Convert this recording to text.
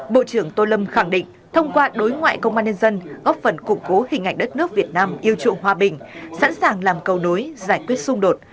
bộ trưởng tô lâm khẳng định thông qua đối ngoại công an nhân dân góp phần củng cố hình ảnh đất nước việt nam yêu trụng hòa bình sẵn sàng làm cầu nối giải quyết xung đột